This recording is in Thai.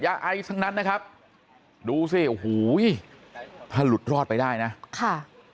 ยาไอส์ทั้งนั้นนะครับดูสิหูยถ้าหลุดรอบไปได้นะ